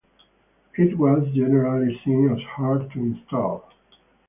It was generally seen as hard to install.